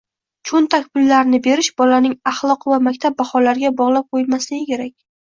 Cho‘ntak pullarini berish bolaning axloqi va maktab baholariga bog‘lab qo‘yilmasligi kerak